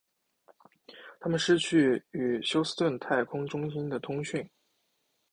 他们失去与休斯顿太空中心的通讯。